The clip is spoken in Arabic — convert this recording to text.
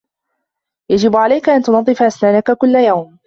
يَجِبُ عَلَيكَ أَنَّ تُنْظِّفَ أسْنَانَكَ كُلَّ يَوْمٍ.